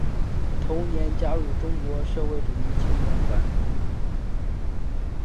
同年加入中国社会主义青年团。